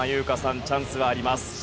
チャンスはあります。